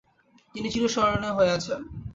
তিনি চিরস্মরনীয় হয়ে আছেন।